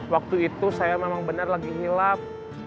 waktu itu saya memang benar lagi ngilap